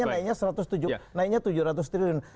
artinya naiknya rp tujuh ratus triliun